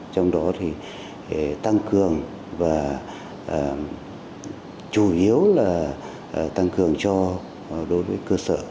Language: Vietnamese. trong đó thì tăng cường và chủ yếu là tăng cường cho đối với cơ sở